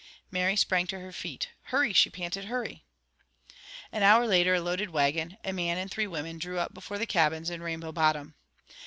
Mary sprang to her feet, "Hurry!" she panted, "hurry!" An hour later a loaded wagon, a man and three women drew up before the cabins in Rainbow Bottom.